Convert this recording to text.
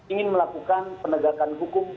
ingin melakukan penegakan hukum